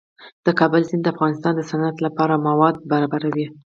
د کابل سیند د افغانستان د صنعت لپاره مواد برابروي.